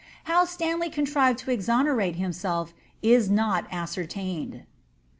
How Stanley contrived to exonerate him self is not ascertained.'